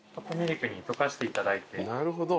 なるほど。